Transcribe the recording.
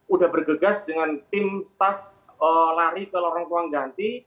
udah bergegas dengan tim staff lari ke lorong ruang ganti